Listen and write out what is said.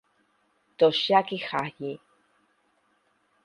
Toshiaki Haji